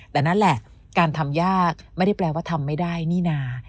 แต่นั่นแหละการทำยากไม่ได้แปลว่าทำไม่ได้นี่นา